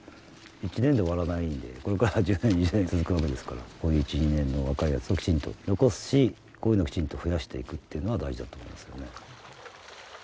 １年で終わらないんでこれから１０年２０年続くわけですからこういう１２年の若いやつをきちんと残すしこういうのをきちんと増やしていくっていうのは大事だと思いますね。